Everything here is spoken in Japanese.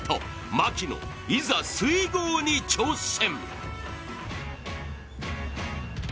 槙野、いざ水濠に挑戦。